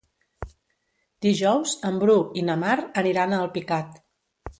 Dijous en Bru i na Mar aniran a Alpicat.